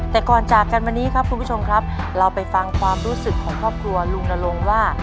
แต่ก่อนจากกันวันนี้ครับคุณผู้ชมครับเราไปฟังความรู้สึกของครอบครัวลุงนรงค์ว่า